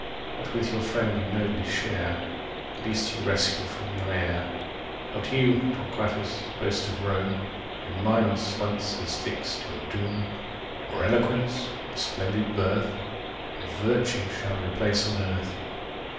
What with your friend you nobly share, At least you rescue from your heir. 20 Not you, Torquatus, boast of Rome, When Minos once has fix'd your doom, Or eloquence, or splendid birth, Or virtue, shall restore to earth.